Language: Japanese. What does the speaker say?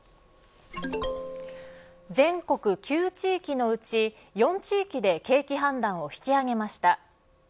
全国９地域のうち４地域で景気判断を引き上げました。